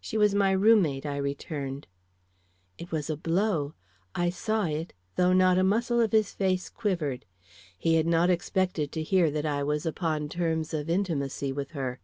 "She was my room mate," I returned. It was a blow; I saw it, though not a muscle of his face quivered. He had not expected to hear that I was upon terms of intimacy with her.